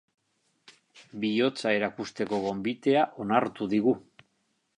Bihotza erakusteko gonbitea onartu digu.